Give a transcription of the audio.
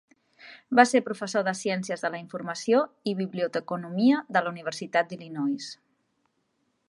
Va ser professor de Ciències de la informació i Biblioteconomia de la Universitat d'Illinois.